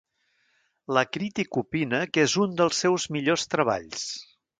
La crítica opina que és un dels seus millors treballs.